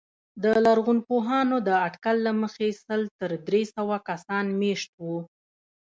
د لرغونپوهانو د اټکل له مخې سل تر درې سوه کسان مېشت وو